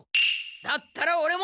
だったらオレも。